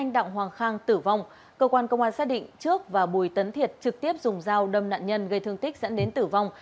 đặng hoàng khang tử vong cơ quan công an xác định trước và bùi tấn thiệt trực tiếp dùng dao đâm nạn nhân gây thương tích dẫn đến tử vong